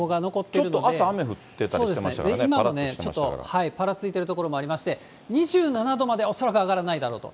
ちょっと朝、そうですね、今もね、ちょっとぱらついている所もありまして、２７度までは恐らく上がらないだろうと。